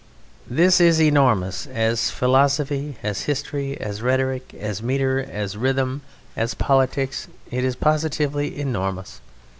This is enormous. As philosophy, as history, as rhetoric, as metre, as rhythm, as politics, it is positively enormous.